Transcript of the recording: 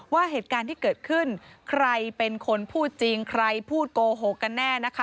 ว่าเหตุการณ์ที่เกิดขึ้นใครเป็นคนพูดจริงใครพูดโกหกกันแน่นะคะ